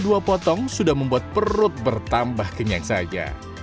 dua potong sudah membuat perut bertambah kenyang saja